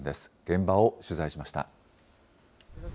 現場を取材しました。